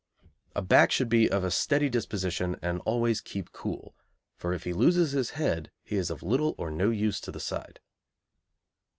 A back should be of a steady disposition and always keep cool, for if he loses his head he is of little or no use to the side.